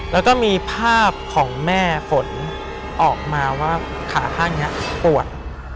แล้วก็มีภาพของแม่ฝนออกมาว่าขาข้างนี้ปวด